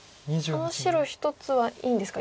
あの白１つはいいんですか